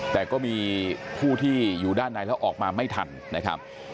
แต่ก็มีผู้ที่อยู่ด้านในแล้วออกมาไม่ทันนะครับ